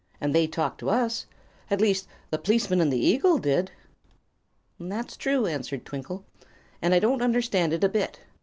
And they talk to us. At least, the p'liceman and the eagle did." "That's true," answered Twinkle, "and I don't understand it a bit.